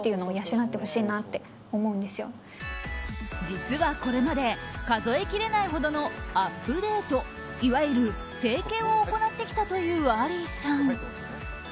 実は、これまで数えきれないほどのアップデート、いわゆる整形を行ってきたというアリーさん。